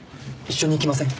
一緒に行きません？